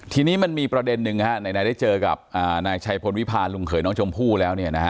ทีนี้มันมีประเด็นหนึ่งนายได้เจอกับนายชัยพลวิพาลลุงเขยน้องชมพู่แล้ว